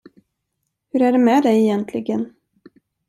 Hur är det med dig egentligen?